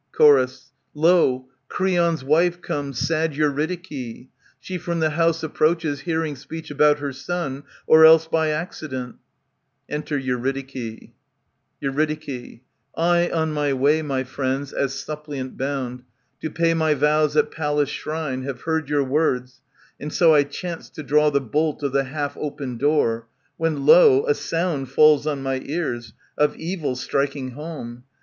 C/ior. Lo ! Creon's wife comes, sad Eurydike. *^^ She from the house approaches, hearing speech About her son, or else by accident. Enter Eurydike. Eur'jd. I on my way, my friends, as suppliant bound. To pay my vows at Pallas' shrine, have heard Your words, and so I chanced to draw the bolt Of the half opened door, when lo ! a sound Falls on my ears, of evil striking home.